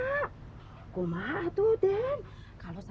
rasulah pak lapa'atuh sangat berbisa